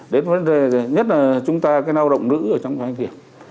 đến vấn đề nhất là chúng ta cái lao động nữ ở trong doanh nghiệp